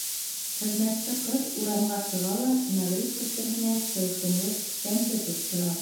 Хеҙмәтсе ҡыҙ урамға сыға ла мәғриб кешеһенә тылсымлы шәмде тоттора.